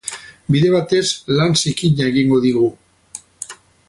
Bide batez, lan zikina egingo digu.